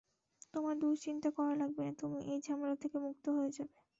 তোমার দুশ্চিন্তা করা লাগবে না, তুমি এই ঝামেলা থেকে মুক্ত হয়ে যাবে।